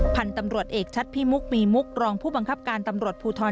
พันธุ์ตำรวจเอกชัดพิมุกมีมุกรองผู้บังคับการตำรวจภูทร